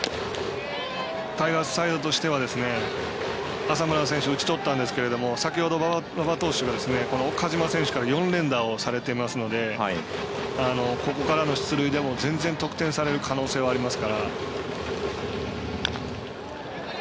タイガースサイドとしては浅村選手、打ち取ったんですけど先ほど、馬場投手が岡島選手から４連打をされてますのでここからの出塁でも全然、得点される可能性はありますから。